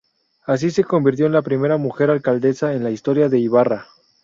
Así se convirtió en la primera mujer alcaldesa en la historia de Ibarra.